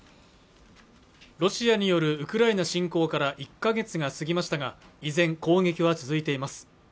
ロシアによるウクライナ侵攻から１か月が過ぎましたが依然攻撃は続いています